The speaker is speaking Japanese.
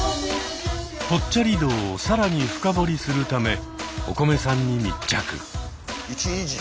ぽっちゃり道を更に深掘りするためおこめさんに密着。